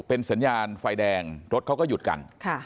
เป็นสัญญาณไฟแดงรถเขาก็หยุดกัน